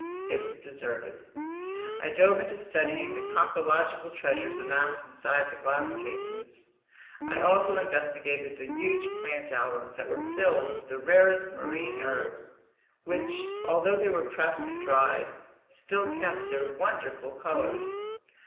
It was deserted. I dove into studying the conchological treasures amassed inside the glass cases. I also investigated the huge plant albums that were filled with the rarest marine herbs, which, although they were pressed and dried, still kept their wonderful colors.